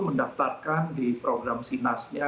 mendaftarkan di program sinasnya